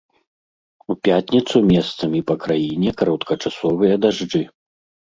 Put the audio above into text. У пятніцу месцамі па краіне кароткачасовыя дажджы.